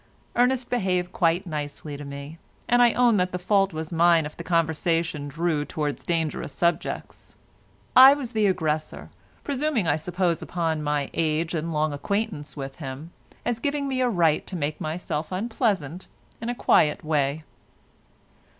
Ernest behaved quite nicely to me and I own that the fault was mine if the conversation drew towards dangerous subjects. I was the aggressor, presuming I suppose upon my age and long acquaintance with him, as giving me a right to make myself unpleasant in a quiet way.